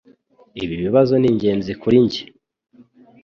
Ibi bibazo ni ingenzi kuri njye.